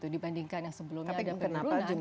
dibandingkan yang sebelumnya ada penurunan